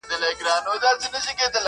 تور پنجاب پر نړېدو دی!